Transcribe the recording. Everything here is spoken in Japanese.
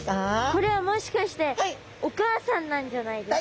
これはもしかしてお母さんなんじゃないですか？